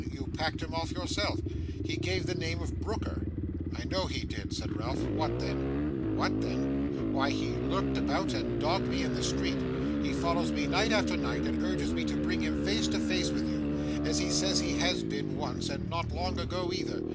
You packed him off, yourself. He gave the name of Brooker.' 'I know he did,' said Ralph; 'what then?' 'What then? Why, then he lurked about and dogged me in the street. He follows me, night after night, and urges me to bring him face to face with you; as he says he has been once, and not long ago either.